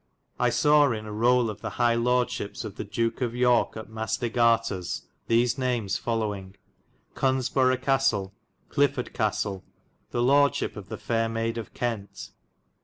I saw in a rouUe of the highe lordshipes of the Duke of Yorke at Mastar Garters thes names folowing: Cunsborow Castelle; Clifford Castle; the lordeshipe of the faire Maide of Kent.